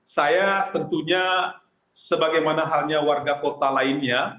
saya tentunya sebagaimana halnya warga kota lainnya